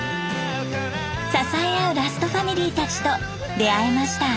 支え合うラストファミリーたちと出会えました。